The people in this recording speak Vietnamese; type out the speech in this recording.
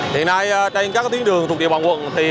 hiện nay trên các tuyến đường thuộc địa bàn quận